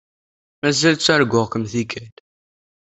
Mazal ttarguɣ-kem tikkal.